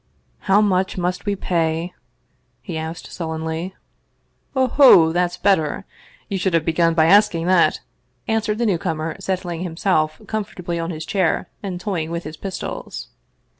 " How much must we pay ?" he asked sullenly. " Oho ! that's better. You should have begun by ask ing that !" answered the newcomer, settling himself com fortably on his chair and toying with his pistols.